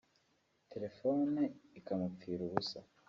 telefone ikamupfira ubusa